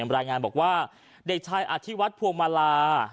รายงานบอกว่าเด็กชายอธิวัฒน์พวงมาลา